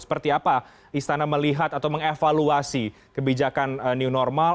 seperti apa istana melihat atau mengevaluasi kebijakan new normal